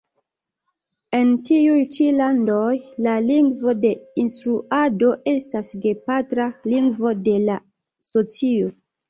En tiuj ĉi landoj, la lingvo de instruado estas gepatra lingvo de la socio.